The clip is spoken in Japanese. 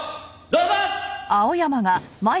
どうぞ！